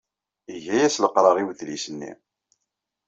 Iga-as leqrar i udlis-nni.